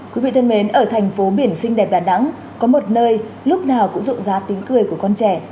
quý vị thân mến ở thành phố biển sinh đẹp đà nẵng có một nơi lúc nào cũng rộng giá tính cười của con trẻ